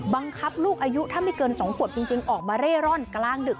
บังคับลูกอายุถ้าไม่เกิน๒ขวบจริงออกมาเร่ร่อนกลางดึก